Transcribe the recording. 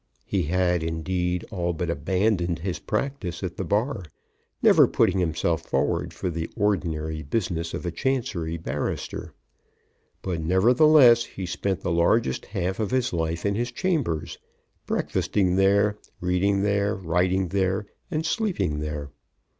He had, indeed, all but abandoned his practice at the Bar, never putting himself forward for the ordinary business of a Chancery barrister. But, nevertheless, he spent the largest half of his life in his chambers, breakfasting there, reading there, writing there, and sleeping there.